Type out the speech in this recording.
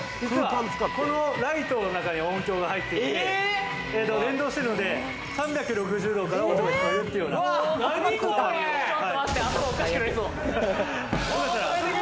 このライトの中に音響が入っていて、連動してるので、３６０度から音が聞こえるっていうような頭おかしくなりそう。